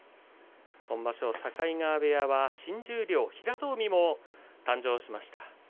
今場所、境川部屋境川部屋は新十両平戸海も誕生しました。